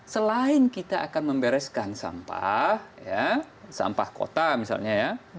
selain kita akan membereskan sampah sampah kota misalnya ya